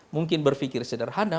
mungkin berpikir sederhana